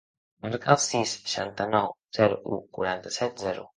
Marca el sis, seixanta-nou, zero, u, quaranta-set, zero.